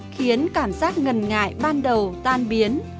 khiến cảm giác ngần ngại ban đầu tan biến